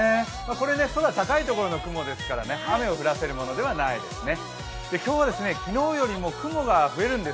これ、空高いところの雲ですから雨を降らせるものではないですね。